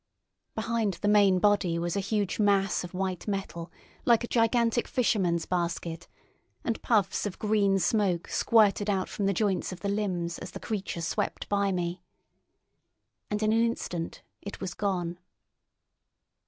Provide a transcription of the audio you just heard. Behind the main body was a huge mass of white metal like a gigantic fisherman's basket, and puffs of green smoke squirted out from the joints of the limbs as the monster swept by me. And in an instant it was gone.